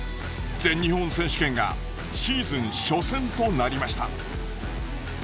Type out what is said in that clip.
全日本選手権がシーズン初戦となりました。